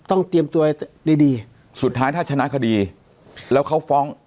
เตรียมตัวดีดีสุดท้ายถ้าชนะคดีแล้วเขาฟ้อง